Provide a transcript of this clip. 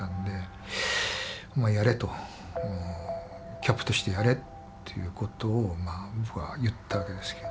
キャップとしてやれっていうことを僕は言ったわけですけど。